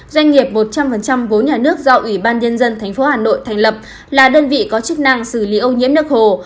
doanh nghiệp một trăm linh vốn nhà nước do ủy ban nhân dân tp hà nội thành lập là đơn vị có chức năng xử lý ô nhiễm nước hồ